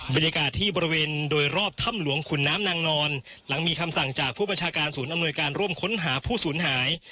บรรยากาศที่บริเวณโดยรอบถ้ำหลวงขุนน้ำนางนอนหลังมีคำสั่งจากผู้บัญชาการศูนย์อำนวยการร่วมค้นหาผู้สูญหาย